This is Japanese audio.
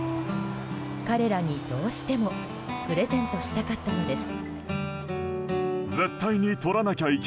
彼らにどうしてもプレゼントしたかったのです。